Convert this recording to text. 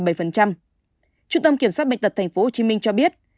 trung tâm kiểm soát bệnh tật tp hcm cho biết